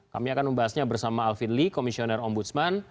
kami akan membahasnya bersama alvin lee komisioner ombudsman